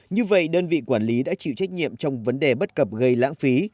như vậy đơn vị quản lý đã chịu trách nhiệm trong vấn đề bất cập gây lãng phí